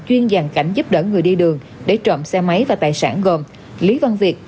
chuyên giàn cảnh giúp đỡ người đi đường để trộm xe máy và tài sản gồm lý văn việt